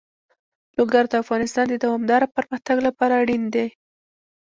لوگر د افغانستان د دوامداره پرمختګ لپاره اړین دي.